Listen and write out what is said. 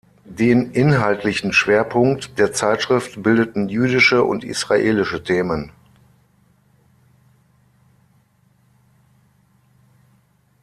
Den inhaltlichen Schwerpunkt der Zeitschrift bildeten jüdische und israelische Themen.